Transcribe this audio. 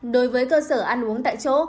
đối với cơ sở ăn uống tại chỗ